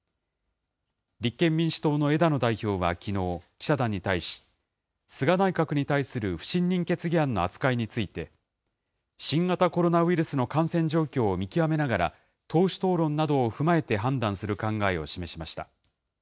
立憲民主党の枝野代表はきのう、記者団に対し、菅内閣に対する不信任決議案の扱いについて、新型コロナウイルスの感染状況を見極めながら、党首討論などを踏まえて判断する考えを示しました。